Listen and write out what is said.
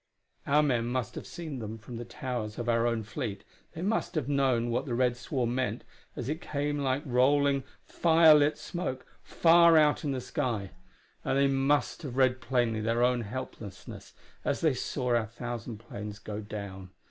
Our men must have seen them from the towers of our own fleet; they must have known what the red swarm meant, as it came like rolling, fire lit smoke far out in the sky and they must have read plainly their own helplessness as they saw our thousand planes go down.